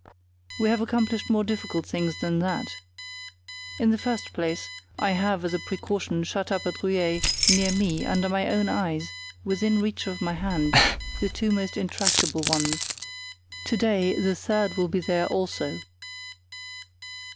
We have accomplished more difficult things than that. In the first place I have as a precaution shut up at Rueil, near me, under my own eyes, within reach of my hand, the two most intractable ones. To day the third will be there also."